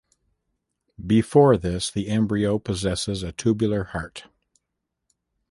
Before this, the embryo possesses a tubular heart.